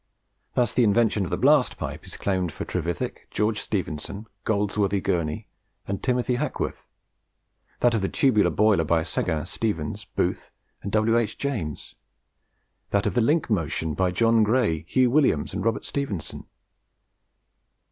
Thus the invention of the blast pipe is claimed for Trevithick, George Stephenson, Goldsworthy Gurney, and Timothy Hackworth; that of the tubular boiler by Seguin, Stevens, Booth, and W. H. James; that of the link motion by John Gray, Hugh Williams, and Robert Stephenson.